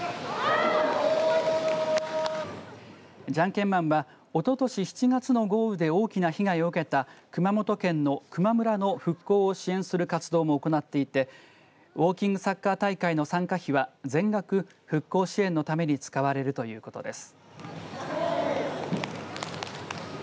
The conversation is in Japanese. じゃんけんマンはおととし７月の豪雨で大きな被害を受けた熊本県の球磨村の復興を支援する活動も行っていてウォーキングサッカー大会の参加費は全額、復興支援のために使われるということです。